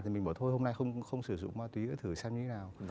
thì mình bảo thôi hôm nay không sử dụng mặt túy nữa thử xem như thế nào